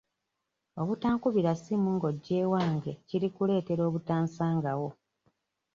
Obutankubira ssimu nga ojja ewange kiri kuleetera obutansangawo.